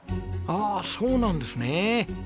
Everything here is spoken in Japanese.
ああそうなんですね。